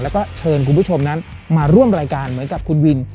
แล้วก็เชิญคุณผู้ชมนั้นมาร่วมรายการเหมือนกับคุณวิน